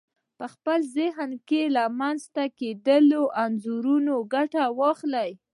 په خپل ذهن کې له رامنځته کېدونکو انځورونو ګټه واخلئ.